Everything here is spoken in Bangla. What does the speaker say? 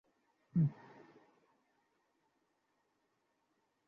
ডিটেলগুলো ভুলে যাওয়ার জন্য দুঃখিত।